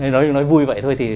nói vui vậy thôi